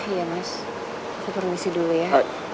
iya mas saya permisi dulu ya